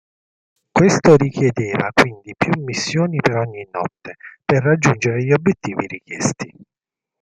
Questo richiedeva quindi più missioni per ogni notte, per raggiungere gli obiettivi richiesti.